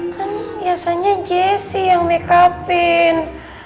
kan biasanya jesi yang makeup in